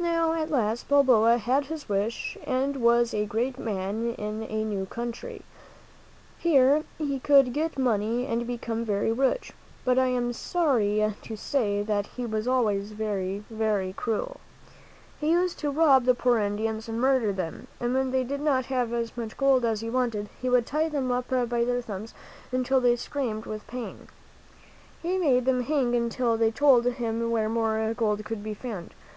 Now, at last, Balboa had his wish and was a great man in a new country. Here he could get money and become very rich; but I am sorry to say that he was always very, very cruel. He used to rob the poor Indians and murder them, and when they did not have as much gold as he wanted, he would tie them up by their thumbs until they screamed with pain. He made them hang there until they told him where more gold could be found.